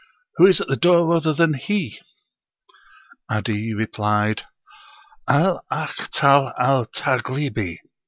Who is at the door other than he?" 'Adi replied, "Al Akhtal al Taghlibi."